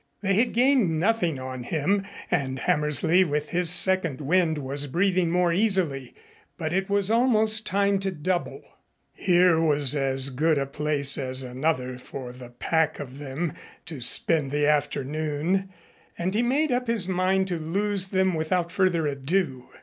They had gained nothing on him and Hammersley with his second wind was breathing more easily, but it was almost time to double. Here was as good a place as another for the pack of them to spend the afternoon and he made up his mind to lose them without further ado.